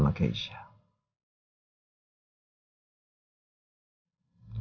bukan cuma sama reina sama askara